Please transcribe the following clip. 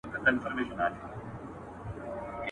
پردى مور، نه مور کېږي.